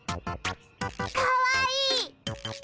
かわいい！